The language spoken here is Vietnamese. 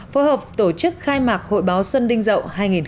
phối hợp tổ chức khai mạc hội báo xuân đinh dậu hai nghìn một mươi bảy